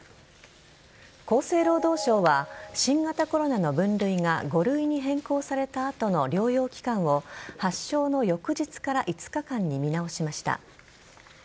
厚生労働省は新型コロナの分類が５類に変更された後の療養期間を発症の翌日から５日間に見直しました。